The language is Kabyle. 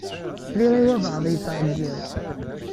Sliɣ i walebɛaḍ yettɛeyyiḍ.